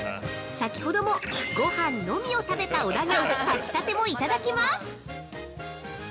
◆先ほども「ごはんのみ」を食べた小田が炊きたてもいただきます！